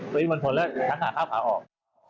ตรงนี้มันผลแล้วจ้างหาข้าวขาออก